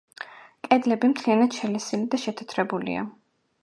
კედლები მთლიანად შელესილი და შეთეთრებულია.